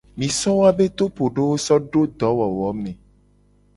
Mi so woabe topodowo so do dowowome.